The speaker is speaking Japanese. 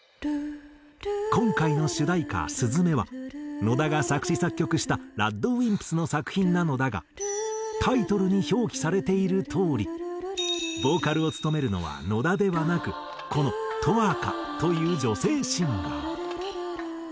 今回の主題歌『すずめ』は野田が作詞作曲したＲＡＤＷＩＭＰＳの作品なのだがタイトルに表記されているとおりボーカルを務めるのは野田ではなくこの十明という女性シンガー。